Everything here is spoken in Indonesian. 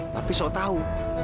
tapi sok tahu